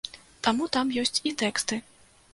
Таму там ёсць і тэксты.